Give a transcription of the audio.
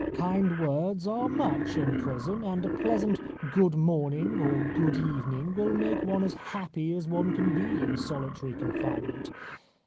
Kind words are much in prison, and a pleasant "Good morning" or "Good evening" will make one as happy as one can be in solitary confinement.